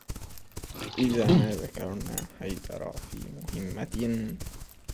إذا ما ذكرنا حيدرا في مهمة